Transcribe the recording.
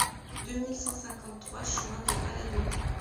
deux mille cent cinquante-trois chemin des Palladaux